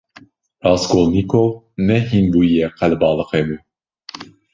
Raskolnîkov ne hînbûyiyê qelebalixê bû.